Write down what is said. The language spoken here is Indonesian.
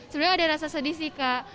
sebenarnya ada rasa sedih sih kak